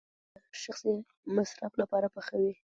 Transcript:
بزګر ډوډۍ د شخصي مصرف لپاره پخوي.